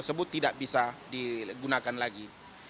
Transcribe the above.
tersebut tidak bisa digunakan lagi